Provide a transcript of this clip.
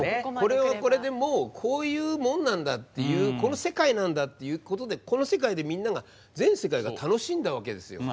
これはこれでもうこういうもんなんだっていうこの世界なんだっていうことでこの世界でみんなが全世界が楽しんだわけですよ。